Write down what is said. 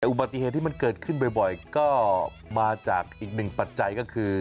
แต่อุบัติเหตุที่มันเกิดขึ้นบ่อยก็มาจากอีกหนึ่งปัจจัยก็คือ